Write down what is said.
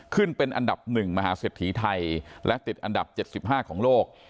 ขึ้นเป็นอันดับหนึ่งมหาเสธีไทยและอันดับเจ็ดสิบห้าของโลก